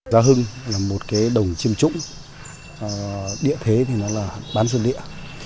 giá hưng là một cái đồng chiêm trụng địa thế thì nó là bán xuân địa